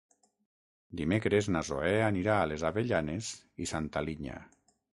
Dimecres na Zoè anirà a les Avellanes i Santa Linya.